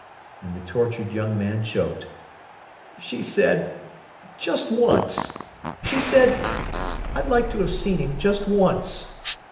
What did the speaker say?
And the tortured young man choked. "She said—'just once.' She said 'I'd like to have seen him—just once!